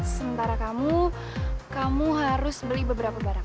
sementara kamu kamu harus beli beberapa barang